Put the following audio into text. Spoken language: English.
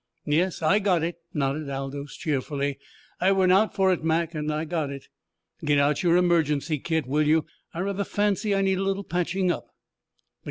"Yes, I got it," nodded Aldous cheerfully. "I went out for it, Mac, and I got it! Get out your emergency kit, will you? I rather fancy I need a little patching up."